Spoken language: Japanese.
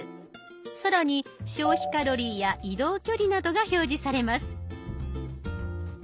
更に消費カロリーや移動距離などが表示されます。